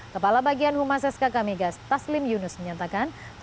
kepala bagian humas sk kamigas taslim yunus menyatakan